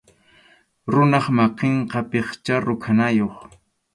Runap makinqa pichqa rukʼanayuq.